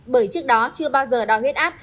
bởi trước đó chưa bao giờ đo huyết áp